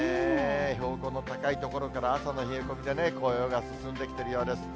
標高の高い所から朝の冷え込みでね、紅葉が進んできているようです。